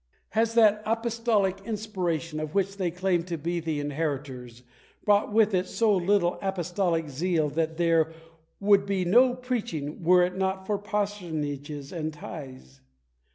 Has that apostolic inspiration, of which they claim to be the inheritors, brought with it so little apostolic zeal that there would be no preaching were it not for parsonages and tithes